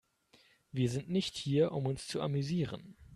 Wir sind nicht hier, um uns zu amüsieren.